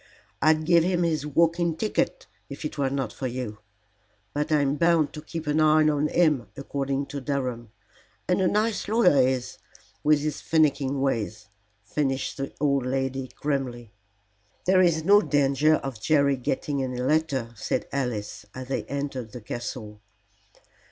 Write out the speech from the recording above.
I'd give him his walking ticket if it were not for you. But I'm bound to keep an eye on him, according to Durham. And a nice lawyer he is, with his finiking ways," finished the old lady grimly. "There is no danger of Jerry getting any letter," said Alice, as they entered the castle.